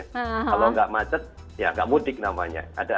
kalau gak macet ya gak mudik namanya